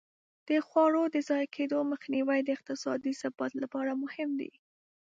د خواړو د ضایع کېدو مخنیوی د اقتصادي ثبات لپاره مهم دی.